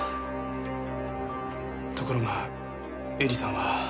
ところが絵里さんは。